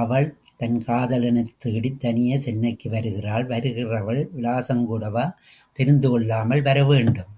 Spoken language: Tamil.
அவள் தன் காதலனைத் தேடித் தனியே சென்னைக்கு வருகிறாள் வருகிறவள் விலாசம் கூடவா தெரிந்துகொள்ளாமல் வரவேண்டும்.